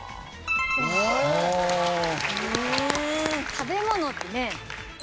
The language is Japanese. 食べ物ってね。